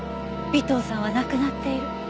尾藤さんは亡くなっている。